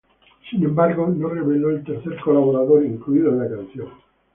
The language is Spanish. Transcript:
Sin embargo, no reveló el tercer colaborador incluido en la canción.